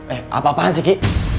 eh apa apaan sih ki